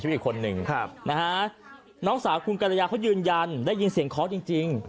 อีกคนนึงครับนะฮะน้องสาวคุณกรยาเขายืนยันได้ยินเสียงเคาะจริง